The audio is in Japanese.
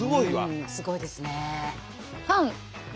うんすごいですね。